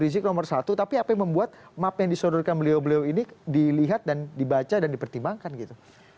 jadi apa yang disodokan beliau beliau ini dilihat dan dibaca dan dipertimbangkan gitu